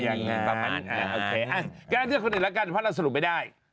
ประมาณอะโอเคงั้นเลือกคนอื่นละกันว่าเราสรุปไปได้